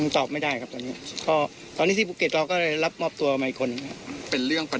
ตอบไม่ได้ครับตอนนี้